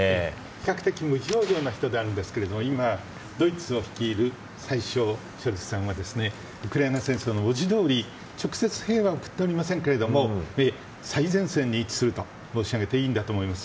比較的無表情な人なんですが今、ドイツを率いる宰相ショルツさんはウクライナ戦争の文字どおり直接兵は送っておりませんが最前線に位置すると申し上げていいと思います。